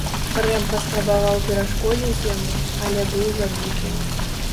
Рэм паспрабаваў перашкодзіць яму, але быў забіты.